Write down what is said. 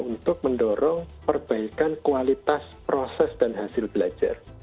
untuk mendorong perbaikan kualitas proses dan hasil belajar